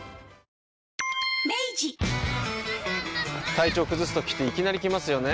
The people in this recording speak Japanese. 体調崩すときっていきなり来ますよね。